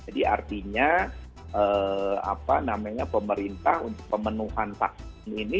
jadi artinya apa namanya pemerintah untuk pemenuhan vaksin ini